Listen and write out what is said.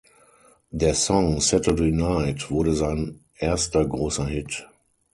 Der Song "Saturday Night" wurde sein erster großer Hit.